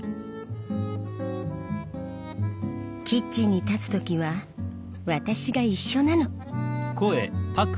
キッチンに立つ時は私が一緒なの。